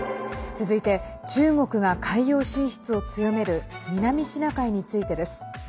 続いて中国が海洋進出を強める南シナ海についてです。